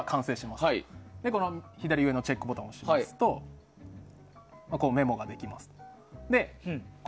そして左上のチェックボタンを押しますとメモができます。